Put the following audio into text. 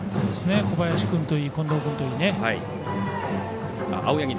青柳君といい近藤君といいね。